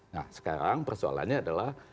nah sekarang persoalannya adalah